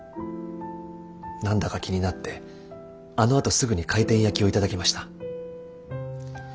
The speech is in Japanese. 何だか気になってあのあとすぐに回転焼きを頂きました。